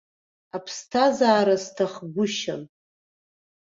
Аԥсҭазара сҭахгәышьан.